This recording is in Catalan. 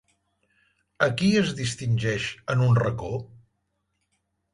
A qui es distingeix en un racó?